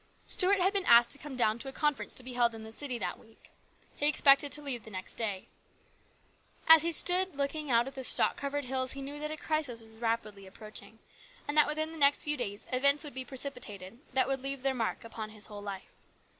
Stuart had been asked to come down to a conference to be held in the city that week. He expected to leave the next day. As he stood looking out at the stock covered hills he knew that a crisis was rapidly approaching, and that within the next few days events would be precipitated that would leave their mark upon his whole life.